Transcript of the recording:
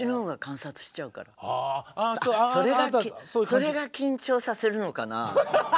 それが緊張させるのかな？